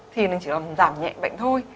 thì mình chỉ làm giảm nhẹ bệnh thôi